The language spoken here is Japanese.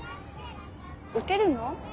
撃てるの？